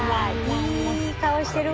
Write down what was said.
いい顔してるわ！